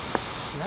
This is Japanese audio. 何？